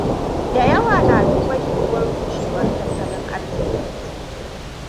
Dayawa na duban yiwuwar rushewan tattalin arziki.